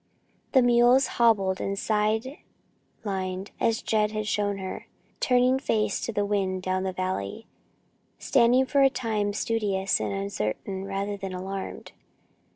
The mules, hobbled and side lined as Jed had shown her, turned face to the wind, down the valley, standing for a time studious and uncertain rather than alarmed.